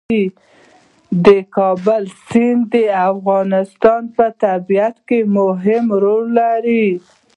د کابل سیند د افغانستان په طبیعت کې مهم رول لري.